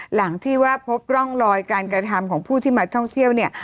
หลังที่ว่าพบร่องรอยการกระทำของผู้ที่มาท่องเที่ยวเนี่ย